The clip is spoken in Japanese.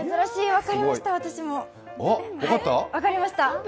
分かりました。